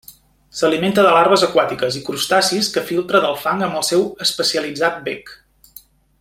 S'alimenta de larves aquàtiques i crustacis que filtra del fang amb el seu especialitzat bec.